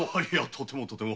とてもとても。